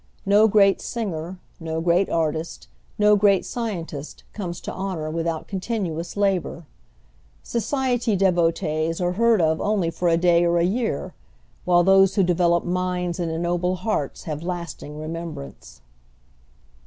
No great singer, no great artist, no great scientist, comes to honor without continuous labor. Society devotees are heard of only for a day or a year, while those who develop minds and ennoble hearts have lasting remembrance.